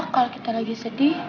kalo kita lagi sedih